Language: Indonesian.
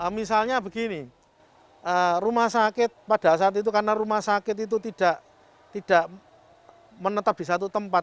misalnya begini rumah sakit pada saat itu karena rumah sakit itu tidak menetap di satu tempat